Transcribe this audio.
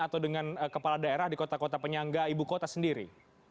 atau dengan kepala daerah di kota kota penyangga ibu kota sendiri